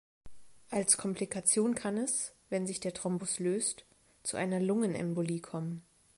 Als Komplikation kann es, wenn sich der Thrombus löst, zu einer Lungenembolie kommen.